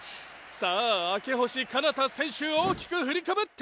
さあ明星かなた選手大きく振りかぶって。